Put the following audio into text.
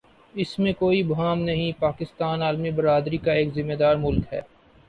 اس میں کوئی ابہام نہیں پاکستان عالمی برادری کا ایک ذمہ دارملک ہے۔